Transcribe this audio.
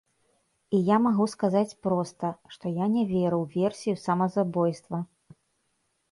І я магу сказаць проста, што я не веру ў версію самазабойства.